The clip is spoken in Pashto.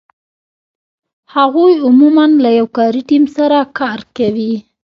هغوی عمومآ له یو کاري ټیم سره کار کوي.